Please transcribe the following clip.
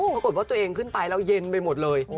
ปรากฏว่าตัวเองขึ้นไปแล้วเย็นไปหมดเลย